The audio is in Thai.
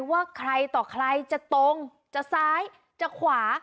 ว่าใครต่อใครจะตรงจะซ้ายจะขวา